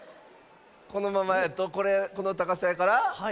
このままやとこれこのたかさやから。